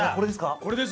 これです！